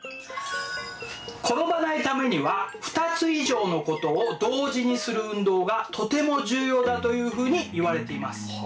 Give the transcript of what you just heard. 転ばないためには２つ以上のことを同時にする運動がとても重要だというふうにいわれています。